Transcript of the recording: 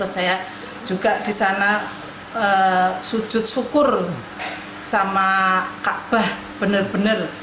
saya juga disana sujud syukur sama kak bah benar benar